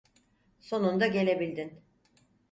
Sonunda gelebildin.